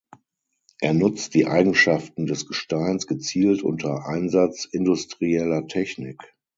Er nutzt die Eigenschaften des Gesteins gezielt unter Einsatz industrieller Technik.